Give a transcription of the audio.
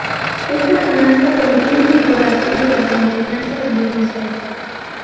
Esta Canasta contiene el corazón de las enseñanzas budistas.